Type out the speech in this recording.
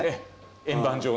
円盤状の。